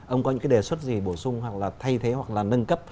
ông có những cái đề xuất gì bổ sung hoặc là thay thế hoặc là nâng cấp